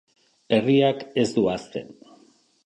Herriak ez du ahazten.